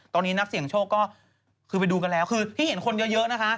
ตอนนี้นักเสี่ยงโชคก็คือไปดูกันแล้วคือที่เห็นคนเยอะนะคะ